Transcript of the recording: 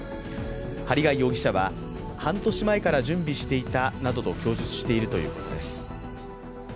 針谷容疑者は半年前から準備していたなどと供述しているということです。